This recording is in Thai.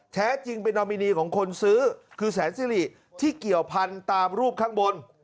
แท้จริงเป็นนอมินีของคนซื้อคือแสนสิริที่เกี่ยวพันธุ์ตามรูปข้างบน